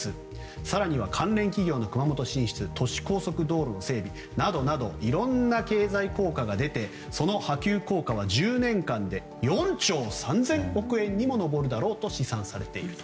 更には関連企業の熊本進出都市高速道路整備などなどいろんな経済効果が出てその波及効果は１０年間で４兆３０００億円にも上るだろうと試算されていると。